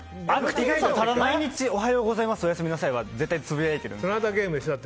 毎日、おはようございますおやすみなさいは絶対、つぶやいてるんですよ。